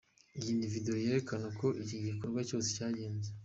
Iyi ni video yerekana uko iki gikorwa cyose cyagenze.